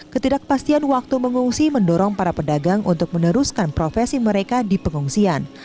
ketidakpastian waktu mengungsi mendorong para pedagang untuk meneruskan profesi mereka di pengungsian